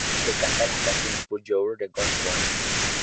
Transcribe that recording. Ellas le cantan la canción "Put Your Records On".